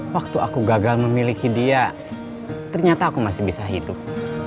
waktu aku gagal memiliki dia ternyata aku masih bisa hidup